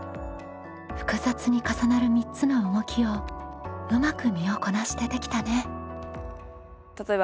複雑に重なる３つの動きをうまく身をこなしてできたね。